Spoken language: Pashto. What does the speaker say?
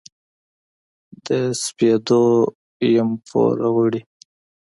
د سپېدو یم پوروړي